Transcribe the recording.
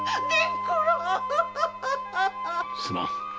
すまん。